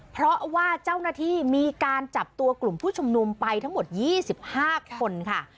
เพราะว่าเจ้าหน้าที่มีการจับตัวกลุ่มผู้ชุมนุมไปทั้งหมด๒๕คนค่ะ